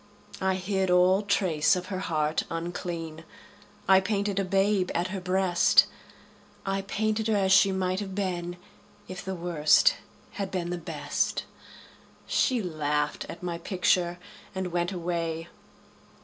I hid all trace of her heart unclean; I painted a babe at her breast; I painted her as she might have been If the Worst had been the Best. She laughed at my picture and went away.